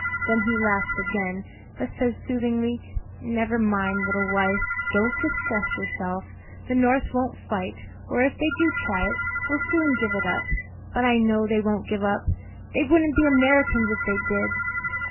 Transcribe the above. Then he laughs again, but says soothingly, 'Never mind, little wife; don't distress yourself; the North won't fight; or if they do try it, will soon give it up,' But I know they won't give up: they wouldn't be Americans if they did.